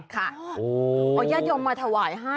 เอาญาติโยมมาถวายให้